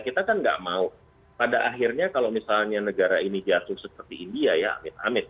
kita kan nggak mau pada akhirnya kalau misalnya negara ini jatuh seperti india ya amit amit